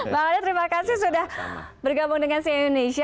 bang ade terima kasih sudah bergabung dengan si indonesia